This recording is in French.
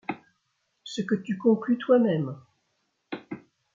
Ce que tu conclus toi-même ?